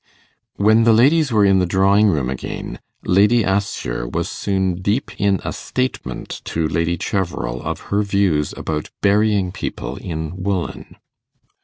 When the ladies were in the drawing room again, Lady Assher was soon deep in a statement to Lady Cheverel of her views about burying people in woollen.